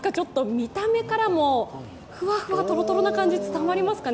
見た目からもふわふわとろとろな感じ、伝わりますかね。